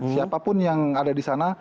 siapapun yang ada di sana